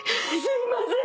すいません！